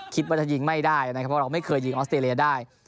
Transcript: คิดว่าจะยิงไม่ได้นะครับเพราะเราไม่เคยยิงออสเตรเลียได้